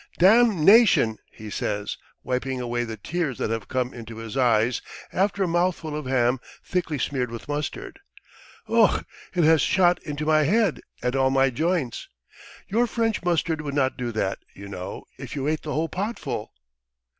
"Damnation!" he says, wiping away the tears that have come into his eyes after a mouthful of ham thickly smeared with mustard. "Ough! It has shot into my head and all my joints. Your French mustard would not do that, you know, if you ate the whole potful."